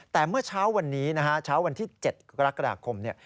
แต่เมื่อเช้าวันนี้นะฮะเช้าวันที่๗กรกฎาคมเนี่ย